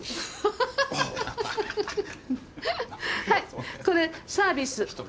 はいこれサービス。